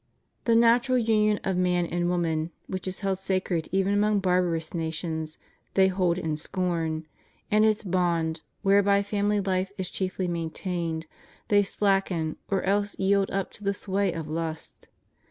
The natural union of man and woman, which is held sacred even among barbarous nations, they hold in scorn; and its bond, whereby family life is chiefly maintained, they slacken, or else yield up to the sway of lust.